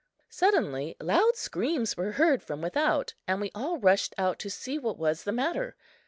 Suddenly loud screams were heard from without and we all rushed out to see what was the matter.